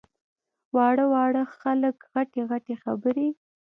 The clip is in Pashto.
واړه واړه خلک غټې غټې خبرې!